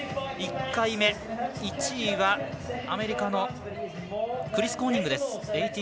１回目、１位はアメリカのクリス・コーニングです。